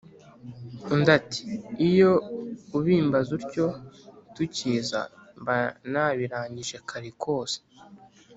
Undi ati: "Iyo ubimbaza utyo tukiza, Mba nabirangije kare kose!